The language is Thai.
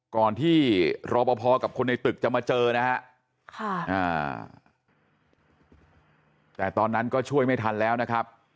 ก่อนที่รอปภกับคนในตึกจะมาเจอนะฮะแต่ตอนนั้นก็ช่วยไม่ทันแล้วนะครับ